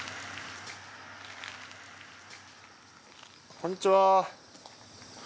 こんにちは。